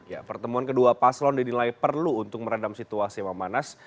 ya pertemuan kedua paslon didilai perlu untuk meredam situasi memanas